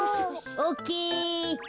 オッケー。